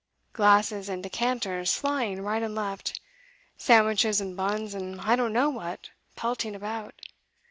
Glasses and decanters flying right and left, sandwiches and buns, and I don't know what, pelting about.